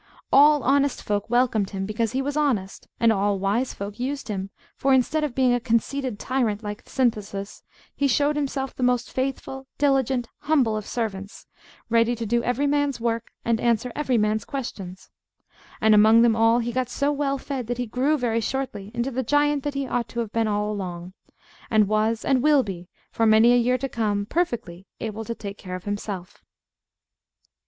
All honest folk welcomed him, because he was honest; and all wise folk used him, for, instead of being a conceited tyrant like Synthesis, he showed himself the most faithful, diligent, humble of servants, ready to do every man's work, and answer every man's questions. And among them all he got so well fed that he grew very shortly into the giant that he ought to have been all along; and was, and will be for many a year to come, perfectly able to take care of himself.